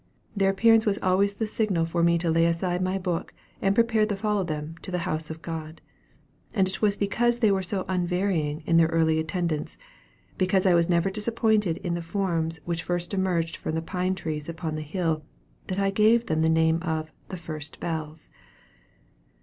Their appearance was always the signal for me to lay aside my book, and prepare to follow them to the house of God. And it was because they were so unvarying in their early attendance, because I was never disappointed in the forms which first emerged from the pine trees upon the hill, that I gave them the name of "the first bells."